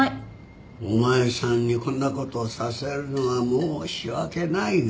お前さんにこんなことをさせるのは申し訳ないが。